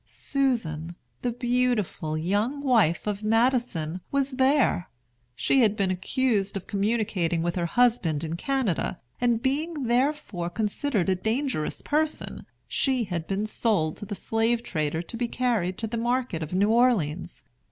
Susan, the beautiful young wife of Madison, was there! She had been accused of communicating with her husband in Canada, and being therefore considered a dangerous person, she had been sold to the slave trader to be carried to the market of New Orleans.